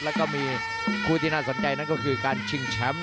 และก็มีคู่ที่น่าสนใจก็คือการชิงแฉม